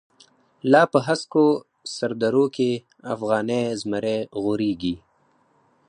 لا په هسکو سر درو کی، افغانی زمری غوریږی